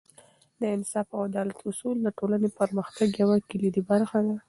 د انصاف او عدالت اصول د ټولنې پرمختګ یوه کلیدي برخه ده.